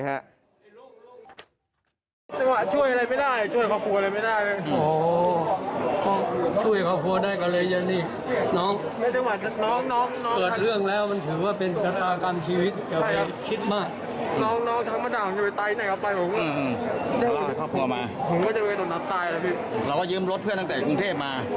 เราก็ยืมรถเพื่อนตั้งแต่กรุงเทพฯมา